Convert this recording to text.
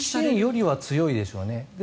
軍事支援よりは強いでしょうね。